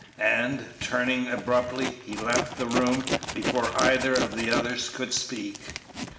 And, turning abruptly, he left the room before either of the others could speak.